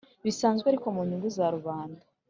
bisanzwe ariko mu nyungu za rubanda